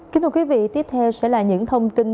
kính thưa quý vị tiếp theo sẽ là những thông tin